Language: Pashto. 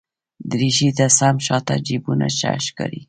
دریشي ته سم شاته جېبونه ښه ښکاري.